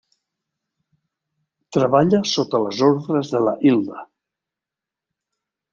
Treballa sota les ordres de la Hilda.